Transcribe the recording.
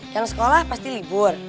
yang sekolah pasti libur